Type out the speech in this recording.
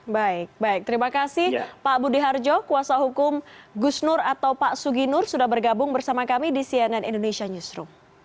baik baik terima kasih pak budi harjo kuasa hukum gus nur atau pak sugi nur sudah bergabung bersama kami di cnn indonesia newsroom